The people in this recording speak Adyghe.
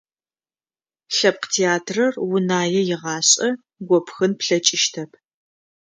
Лъэпкъ театрэр Унае игъашӀэ гопхын плъэкӀыщтэп.